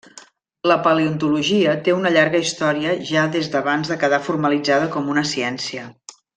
La paleontologia té una llarga història ja des d'abans de quedar formalitzada com una ciència.